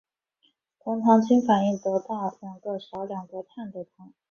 酮糖经反应得到少两个碳的糖。